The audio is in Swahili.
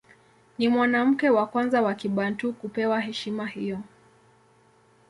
Ni mwanamke wa kwanza wa Kibantu kupewa heshima hiyo.